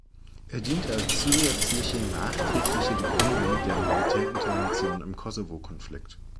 Er diente als zusätzliche nachträgliche Begründung der Militärintervention im Kosovo-Konflikt.